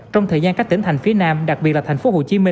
trong thời gian các tỉnh thành phía nam đặc biệt là tp hcm